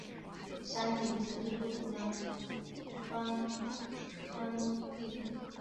山顶则是著名的观光地。